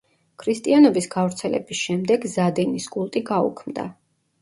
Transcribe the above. ქრისტიანობის გავრცელების შემდეგ ზადენის კულტი გაუქმდა.